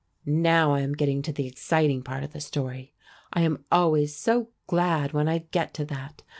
Now I am getting to the exciting part of the story. I am always so glad when I get to that.